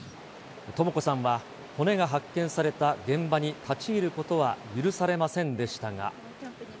とも子さんは骨が発見された現場に立ち入ることは許されませんでしたが。